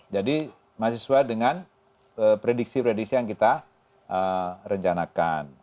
jadi masih sesuai dengan prediksi prediksi yang kita rencanakan